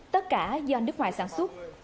tất cả do nước ngoài sản xuất